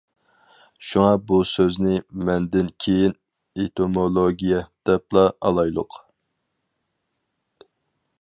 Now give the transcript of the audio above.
شۇڭا بۇ سۆزنى مۇندىن كېيىن «ئېتىمولوگىيە» دەپلا ئالايلۇق.